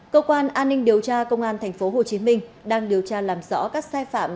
cơ quan an ninh điều tra công an tp hcm đang điều tra làm rõ các sai phạm